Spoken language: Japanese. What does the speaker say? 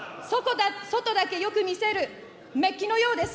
外だけよく見せるめっきのようです。